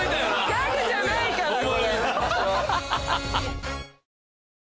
ギャグじゃないからこれ。